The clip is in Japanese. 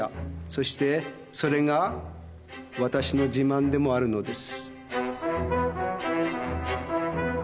そしてそれがわたしの自慢でもあるのです。